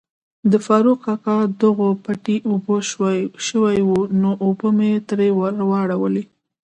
د فاروق کاکا دغو پټی اوبه شوای وو نو اوبه می تري واړولي.